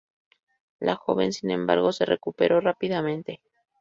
La joven sin embargo se recuperó rápidamente.